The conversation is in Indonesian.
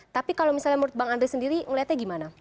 tapi kalau misalnya menurut bang andre sendiri melihatnya gimana